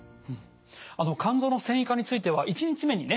肝臓の線維化については１日目にね